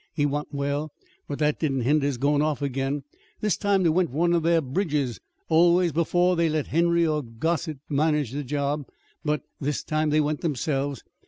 He wa'n't well; but that didn't hinder his goin' off again. This time they went with one of their bridges. Always, before, they'd let Henry or Grosset manage the job; but this time they went themselves.